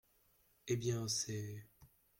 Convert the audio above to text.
Eh bien, c’est…